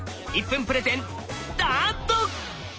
１分プレゼンスタート！